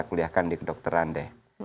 kuliahkan di kedokteran deh